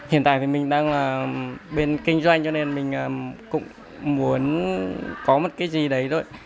hiện tại thì mình đang là bên kinh doanh cho nên mình cũng muốn có một cái gì đấy thôi